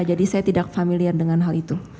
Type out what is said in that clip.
jadi saya tidak familiar dengan hal itu